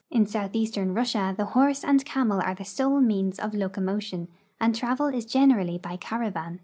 In southeastern Russia the horse and camel are the sole means of locomotion, and travel is generally l)y caravan.